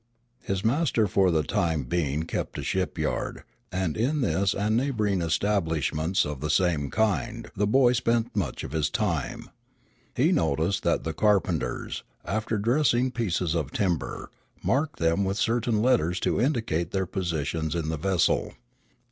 His master for the time being kept a ship yard, and in this and neighboring establishments of the same kind the boy spent much of his time. He noticed that the carpenters, after dressing pieces of timber, marked them with certain letters to indicate their positions in the vessel.